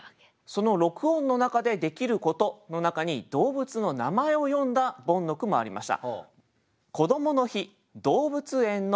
その６音の中でできることの中に動物の名前を詠んだボンの句もありました。